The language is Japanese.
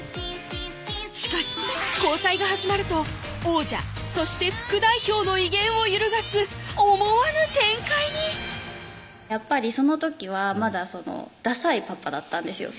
しかし交際が始まると王者そして副代表の威厳を揺るがす思わぬ展開にその時はまだダサいパパだったんですよ